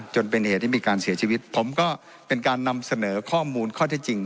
จนเป็นเหตุให้มีการเสียชีวิตผมก็เป็นการนำเสนอข้อมูลข้อที่จริง